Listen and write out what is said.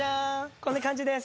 こんな感じです。